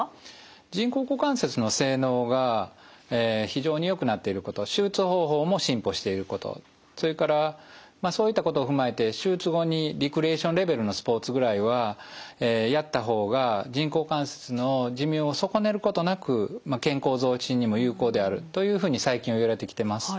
人工股関節の性能が非常によくなっていること手術方法も進歩していることそれからそういったことを踏まえて手術後にレクリエーションレベルのスポーツぐらいはやった方が人工股関節の寿命を損ねることなく健康増進にも有効であるというふうに最近はいわれてきてます。